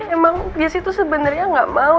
emang jessy tuh sebenernya gak mau